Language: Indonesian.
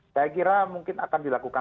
saya kira mungkin akan dilakukan